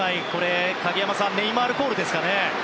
影山さん、場内ネイマールコールですかね。